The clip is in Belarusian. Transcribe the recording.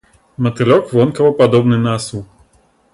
Матылёк вонкава падобны на асу.